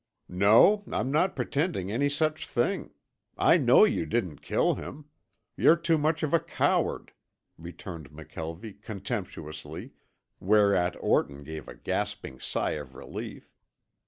"No, I'm not pretending any such thing. I know you didn't kill him. You're too much of a coward," returned McKelvie contemptuously, whereat Orton gave a gasping sigh of relief.